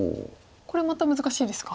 これまた難しいですか。